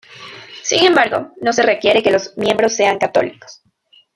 Sin embargo, no se requiere que los miembros sean católicos.